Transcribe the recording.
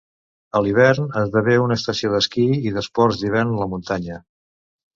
A l'hivern esdevé una estació d'esquí i d'esports d'hivern a la muntanya.